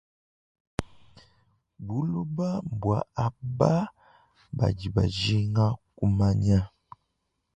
Buloba mbua aba badi bajinga kumanya.